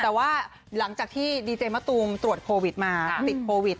แต่ว่าหลังจากที่ดีเจมะตูมตรวจโควิดมาติดโควิด